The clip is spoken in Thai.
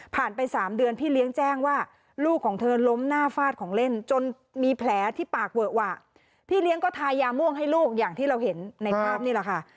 ไปสามเดือนพี่เลี้ยงแจ้งว่าลูกของเธอล้มหน้าฟาดของเล่นจนมีแผลที่ปากเวอะวะพี่เลี้ยงก็ทายาม่วงให้ลูกอย่างที่เราเห็นในภาพนี่แหละค่ะ